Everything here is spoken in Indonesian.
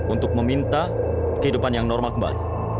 untuk meminta kehidupan yang normal kembali